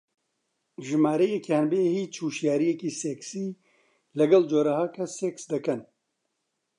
ژمارەیەکیان بێ هیچ هۆشیارییەکی سێکسی لەگەڵ جۆرەها کەس سێکس دەکەن